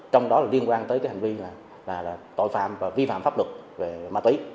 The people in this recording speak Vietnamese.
trong đó là liên quan tới hành vi tội phạm và vi phạm pháp luật về ma túy